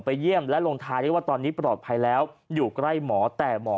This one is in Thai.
เยี่ยมและลงท้ายได้ว่าตอนนี้ปลอดภัยแล้วอยู่ใกล้หมอแต่หมอ